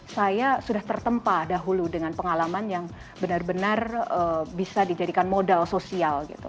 saya sudah tertempa dahulu dengan pengalaman yang benar benar bisa dijadikan modal sosial gitu